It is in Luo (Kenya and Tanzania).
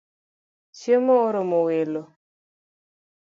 Chiemo oromo welo